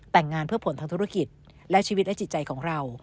แต่งงานเพื่อผลทางธุรกิจและชีวิตและจิตใจของเรา